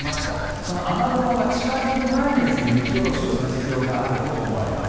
その雨雲が近付く前に雪下ろしをする必要があると思われます。